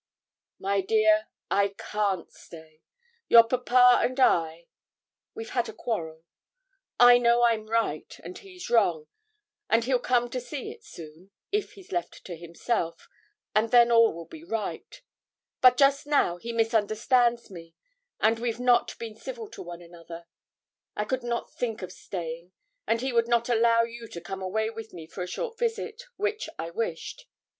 'My dear, I can't stay; your papa and I we've had a quarrel. I know I'm right, and he's wrong, and he'll come to see it soon, if he's left to himself, and then all will be right. But just now he misunderstands me, and we've not been civil to one another. I could not think of staying, and he would not allow you to come away with me for a short visit, which I wished.